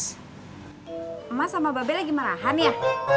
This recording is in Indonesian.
emah sama be lagi marahan ya